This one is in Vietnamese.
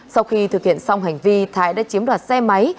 sau khi thực hiện xong hành vi thái đã chiếm đoạt xe máy